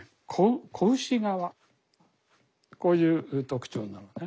子牛皮こういう特徴なのね。